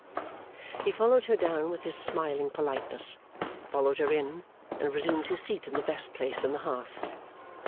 He followed her down with his smiling politeness, followed her in, and resumed his seat in the best place in the hearth.